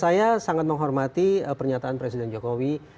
saya sangat menghormati pernyataan presiden jokowi